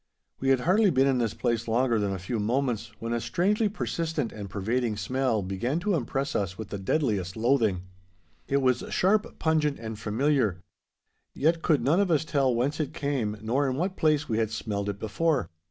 We had hardly been in this place longer than a few moments when a strangely persistent and pervading smell began to impress us with the deadliest loathing. It was sharp, pungent, and familiar. Yet could none of us tell whence it came, nor in what place we had smelled it before.